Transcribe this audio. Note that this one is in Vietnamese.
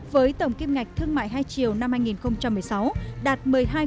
với tổng kiếm ngạch thương mại hai chiều năm hai nghìn một mươi sáu đạt một mươi hai năm